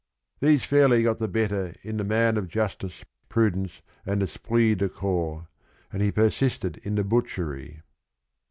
."These fairly got the better in the man Of justice, prudence, and esprit de carps, And he persisted in the butchery."